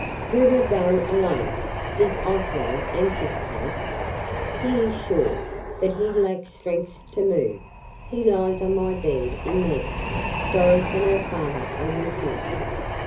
"We will go alone. Does Oswald anticipate " "He is sure. But he lacks strength to move. He lies on my bed in there. Doris and her father are with him."